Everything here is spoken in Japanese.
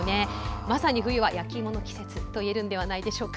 まさに冬は焼きいもの季節といえるんではないでしょうか。